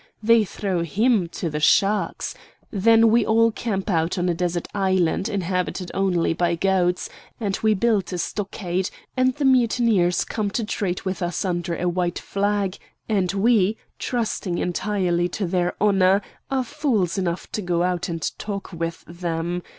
They throw him to the sharks! Then we all camp out on a desert island inhabited only by goats, and we build a stockade, and the mutineers come to treat with us under a white flag, and we, trusting entirely to their honor, are fools enough to go out and talk with them.